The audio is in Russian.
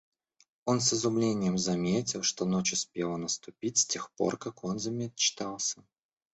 Он с изумлением заметил, что ночь успела наступить с тех пор, как он замечтался.